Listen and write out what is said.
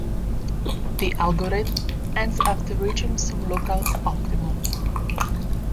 The algorithm ends after reaching some local optimum.